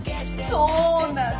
そうなの！